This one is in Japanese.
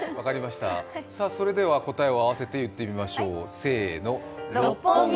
それでは答えを合わせて言ってみましょう、せーの。